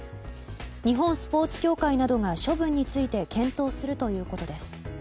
日本スポーツ協会などが処分について検討するということです。